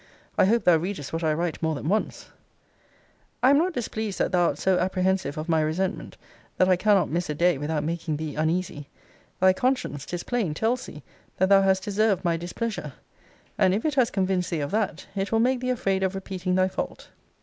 I hope thou readest what I write more than once. * See Vol. II. Letter XIV. I am not displeased that thou art so apprehensive of my resentment, that I cannot miss a day without making thee uneasy. Thy conscience, 'tis plain, tells thee, that thou has deserved my displeasure: and if it has convinced thee of that, it will make thee afraid of repeating thy fault.